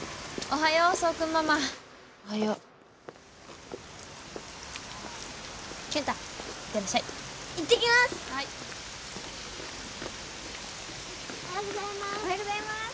おはようございます。